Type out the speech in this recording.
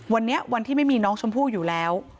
วันนี้วันที่ไม่มีน้องชมพู่อยู่แล้ว